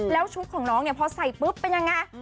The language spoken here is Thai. แล้วชุดของน้องเนี่ยพอใส่ปุ๊บเป็นยังไง